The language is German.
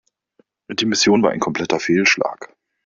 Die Mission war ein kompletter Fehlschlag.